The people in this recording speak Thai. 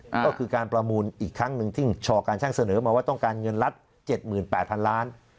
ก็คือการประมูลอีกครั้งนึงที่ชอการชั่งเสนอมาว่าต้องการเงินลัดเจ็ดหมื่นแปดพันล้าน